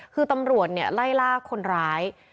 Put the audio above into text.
คือตำรวจไล่ล่าคนร้าย